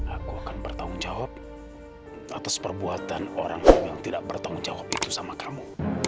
aku akan bertanggung jawab atas perbuatan orang yang tidak bertanggung jawab itu sama kamu